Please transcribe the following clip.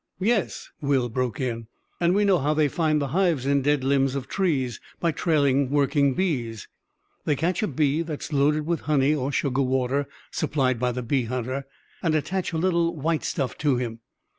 "Yes," Will broke in, "and we know how they find the hives in dead limbs of trees, by trailing working bees. They catch a bee that's loaded with honey, or sugar water supplied by the bee hunter, and attach a little white stuff to him.